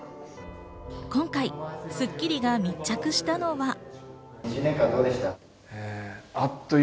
今回『スッキリ』が密着したのは。